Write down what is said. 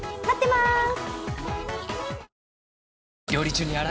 待ってまーす。